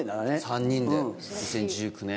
３人で２０１９年。